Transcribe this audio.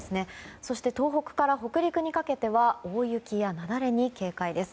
そして東北から北陸にかけては大雪や雪崩に警戒です。